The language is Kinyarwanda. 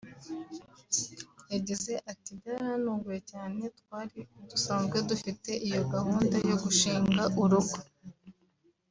yagize ati “Byaranuguye cyane twari dusanzwe dufite iyo gahunda yo gushinga urugo